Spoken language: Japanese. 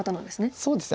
そうですね。